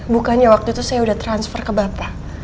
bukannya waktu itu saya sudah transfer ke bapak